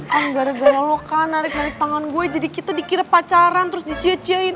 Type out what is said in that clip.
kan gara gara lo kan narik narik tangan gue jadi kita dikira pacaran terus dicecein